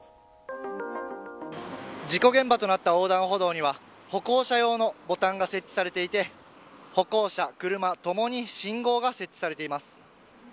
事故現場となった横断歩道には歩行者用のボタンが設置されていて歩行者、車、共に信号が設置されています。